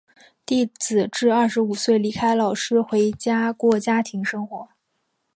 弟子至二十五岁离开老师回家过家庭生活。